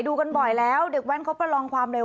ดูกันบ่อยแล้วเด็กแว้นเขาประลองความเร็ว